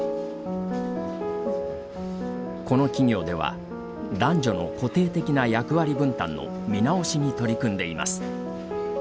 この企業では男女の固定的な役割分担の見直しに取り組んでいます。